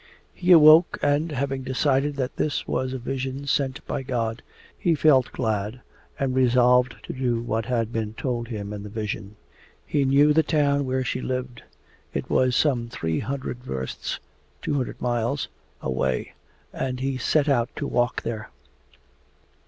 He awoke, and having decided that this was a vision sent by God, he felt glad, and resolved to do what had been told him in the vision. He knew the town where she lived. It was some three hundred versts (two hundred miles) away, and he set out to walk there.